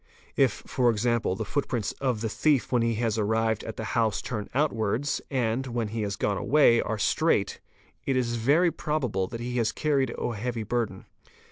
If for example the footprints of the thief when he has arrived at the house turn outwards, and, when he has gone away, are straight, itis very probable that he has carried a heavy burden.